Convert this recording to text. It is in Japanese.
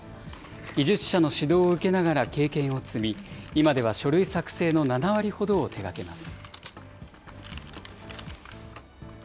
技術者の指導を受けながら経験を積み、今では書類作成の７割ほどを手がけます。